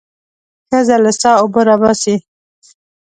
ښځه له څاه اوبه راباسي.